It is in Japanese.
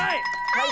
はい！